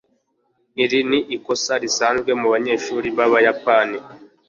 Iri ni ikosa risanzwe mubanyeshuri b'Abayapani.